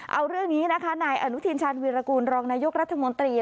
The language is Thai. เอาเรื่องนี้นะคะนายอนุทินชาญวีรกูลรองนายกรัฐมนตรี